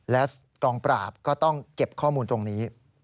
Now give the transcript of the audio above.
และกองปราบก็ต้องเก็บข้อมูลตรงนี้